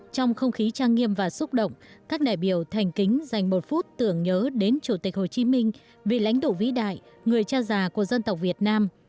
trong không khí trang nghiêm và xúc động các đại biểu thành kính dành một phút tưởng nhớ đến chủ tịch hồ chí minh vì lãnh đủ vĩ đại người cha già của dân tộc việt nam